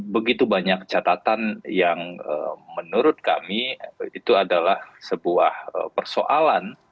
begitu banyak catatan yang menurut kami itu adalah sebuah persoalan